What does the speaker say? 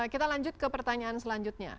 kita lanjut ke pertanyaan selanjutnya